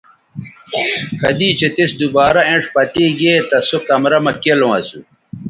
کدی چہء تِس دوبارہ اینڇ پتے گے تہ سو کمرہ مہ کیلوں اسو